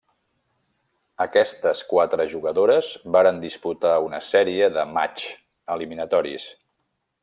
Aquestes quatre jugadores varen disputar una sèrie de matxs eliminatoris.